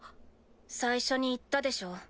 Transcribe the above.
最初に言ったでしょ